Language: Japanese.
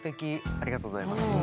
ありがとうございます。